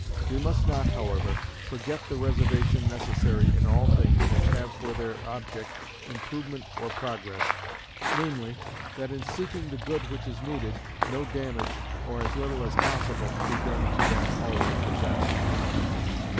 We must not, however, forget the reservation necessary in all things which have for their object improvement or Progress, namely, that in seeking the good which is needed, no damage, or as little as possible, be done to that already possessed.